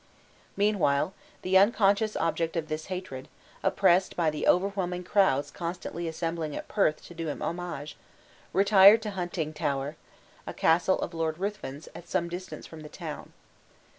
Meanwhile, the unconscious object of this hatred, oppressed by the overwhelming crowds constantly assembling at Perth to do him homage, retired to Huntingtower a castle of Lord Ruthven's, at some distance from the town.